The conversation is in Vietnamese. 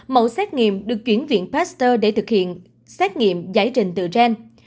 mẫu xét nghiệm được chuyển viện pasteur để thực hiện xét nghiệm giải trình tự gen